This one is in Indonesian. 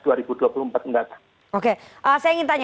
yang akan datang